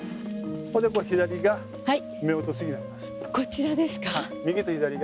こちらですか。